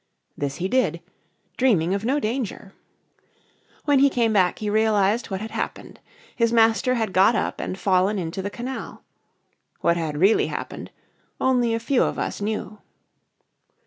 This he did, dreaming of no danger. When he came back he realised what had happened. His master had got up and fallen into the canal. What had really happened only a few of us knew.